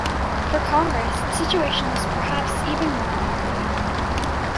For Congress, the situation was perhaps even more awkward.